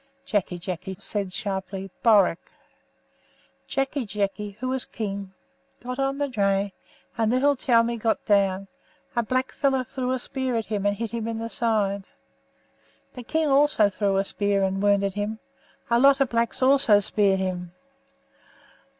'" Jacky Jacky said sharply, "Borack." "Jacky Jacky, who was the king, got on the dray, and Little Tommy got down; a blackfellow threw a spear at him, and hit him in the side; the king also threw a spear, and wounded him; a lot of blacks also speared him.